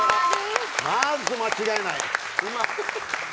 まず、間違いない！